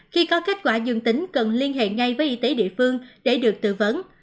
khi có kết quả dương tính cần liên hệ ngay với y tế địa phương để được tư vấn